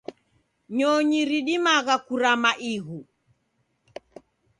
Nyonyi ridimagha kurama ighu.